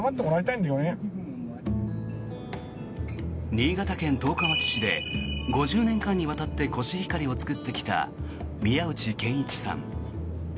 新潟県十日町市で５０年間にわたってコシヒカリを作ってきた宮内賢一さん。